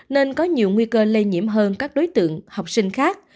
nên có nhiều nguy cơ lây nhiễm hơn các đối tượng học sinh khác